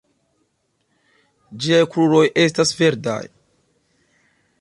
Ĝiaj kruroj estas verdaj.